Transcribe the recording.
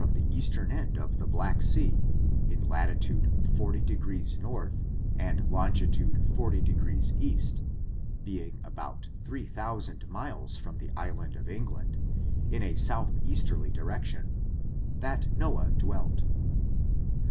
277 the eastern end of the Black Sea, in latitude 40^ north, and longitude 40^ east, being about three thousand miles from the island of England, in a south easterly direction, that Noah dwelt.